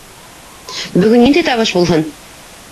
Бөгөн ниндәй табыш булһын?